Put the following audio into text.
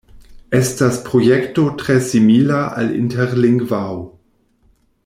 Estas projekto tre simila al Interlingvao.